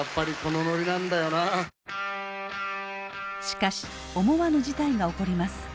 しかし思わぬ事態が起こります。